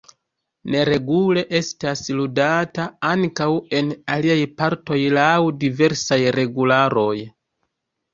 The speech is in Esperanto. Neregule estas ludata ankaŭ en aliaj partoj laŭ diversaj regularoj.